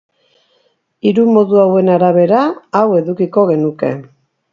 Hiru modu hauen arabera, hau edukiko genuke